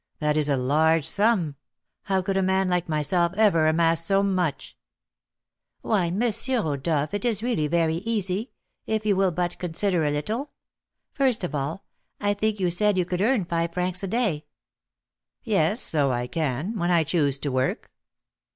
that is a large sum; how could a man like myself ever amass so much?" "Why, M. Rodolph, it is really very easy, if you will but consider a little. First of all, I think you said you could earn five francs a day?" "Yes, so I can, when I choose to work."